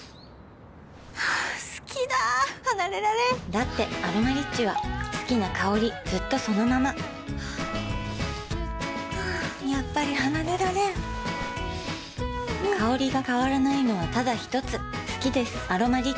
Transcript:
好きだ離れられんだって「アロマリッチ」は好きな香りずっとそのままやっぱり離れられん香りが変わらないのはただひとつ好きです「アロマリッチ」